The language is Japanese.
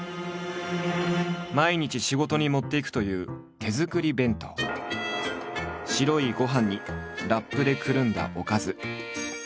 毎日仕事に持っていくという白いご飯にラップでくるんだおかず。